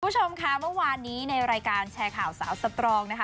คุณผู้ชมค่ะเมื่อวานนี้ในรายการแชร์ข่าวสาวสตรองนะคะ